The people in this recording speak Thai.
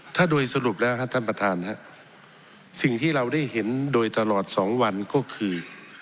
ถ้าโดยสรุปแล้วครับท่านประธานสิ่งที่เราได้เห็นโดยตลอดสองวันก็คือ